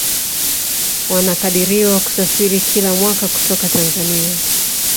Wanakadiriwa kusafiri kila mwaka kutoka Tanzania